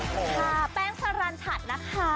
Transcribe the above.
ค่ะแป้งสรรชัดนะคะ